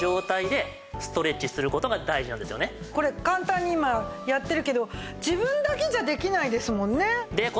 これ簡単に今やってるけど自分だけじゃできないですもんね。